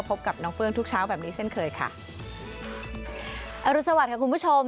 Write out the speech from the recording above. พบกับน้องเฟื้องทุกเช้าแบบนี้เช่นเคยค่ะอรุณสวัสดิค่ะคุณผู้ชม